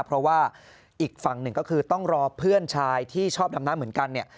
เพราะว่าอีกฝั่งหนึ่งก็คือต้องรอเพื่อนชายที่ชอบดำน้ำเหมือนกันเนี่ย